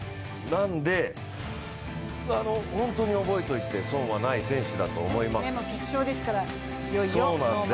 なので、本当に覚えておいて損はない選手だと思います。